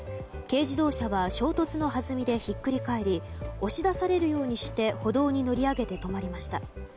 軽自動車は衝突の弾みでひっくり返り押し出されるようにして歩道に乗り上げて止まりました。